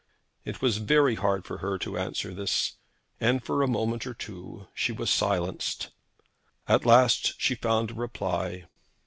It was very hard for her to answer this, and for a moment or two she was silenced. At last she found a reply.